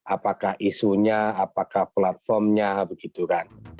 apakah isunya apakah platformnya begitu kan